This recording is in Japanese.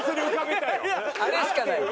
あれしかない。